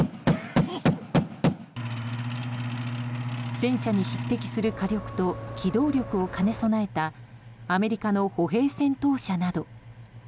戦車に匹敵する火力と機動力を兼ね備えたアメリカの歩兵戦闘車など。